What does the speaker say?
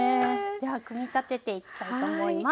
では組み立てていきたいと思います。